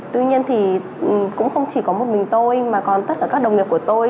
tuy nhiên thì cũng không chỉ có một mình tôi mà còn tất cả các đồng nghiệp của tôi